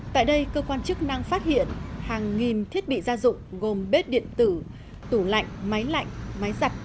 tại đây cơ quan chức năng phát hiện hàng nghìn thiết bị gia dụng gồm bếp điện tử tủ lạnh máy lạnh máy giặt